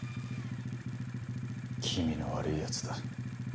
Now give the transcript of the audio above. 気味の悪いやつだ。